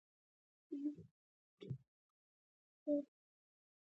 بلبل سمدستي را ووت په هوا سو